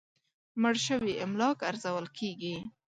مړ شوي املاک ارزول کېږي.